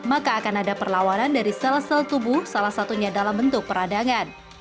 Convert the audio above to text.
maka akan ada perlawanan dari sel sel tubuh salah satunya dalam bentuk peradangan